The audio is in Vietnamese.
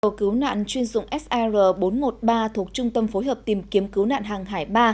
tàu cứu nạn chuyên dụng sr bốn trăm một mươi ba thuộc trung tâm phối hợp tìm kiếm cứu nạn hàng hải ba